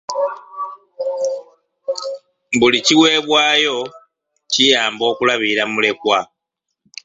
Buli kiweebwayo kiyamba okulabirira mulekwa.